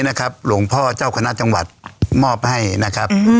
หลวงพ่อเจ้าคณะจังหวัดมอบให้นะครับ